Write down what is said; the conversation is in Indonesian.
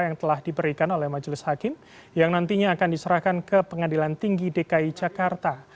yang telah diberikan oleh majelis hakim yang nantinya akan diserahkan ke pengadilan tinggi dki jakarta